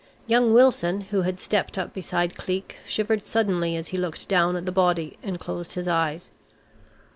Young Wilson, who had stepped up beside Cleek, shivered suddenly as he looked down at the body, and closed his eyes.